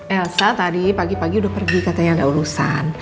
elsa tadi pagi pagi udah pergi katanya ada urusan